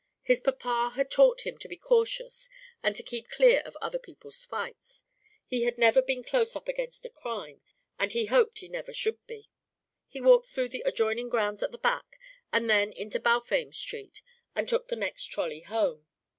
His papa had taught him to be cautious and to keep clear of other people's fights. He had never been close up against a crime, and he hoped he never should be. He walked through the adjoining grounds at the back and then into Balfame Street and took the next trolley home.